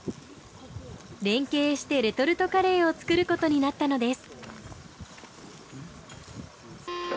連携してレトルトカレーを作る事になったのです。